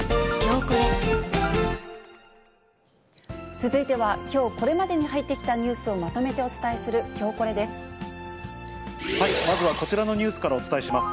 続いては、きょうこれまでに入ってきたニュースをまとめてお伝えする、まずはこちらのニュースからお伝えします。